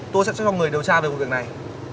tôi sẽ mong người điều tra về vụ việc này